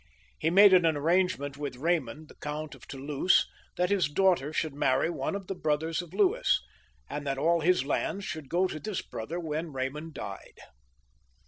He made an arrangement with Eaymond, the Count of Toulouse, that his daughter should marry one of the brothers of Louis, and that all his lands should go to this brother when Eaymond died.